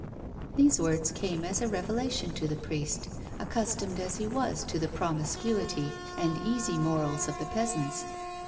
These words came as a revelation to the priest, accus tomed as he was to the promiscuity and easy morals of the peasants.